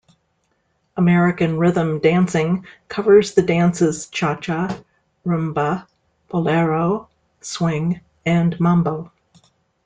American Rhythm dancing covers the dances cha cha, rumba, bolero, swing, and mambo.